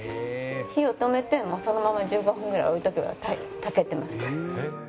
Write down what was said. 火を止めてもうそのまま１５分ぐらい置いとけば炊けてます。